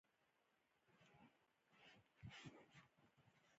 نو هېڅ نفسياتي پرېشر ئې وانۀ خستۀ -